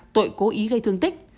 tội cố ý gây thương tích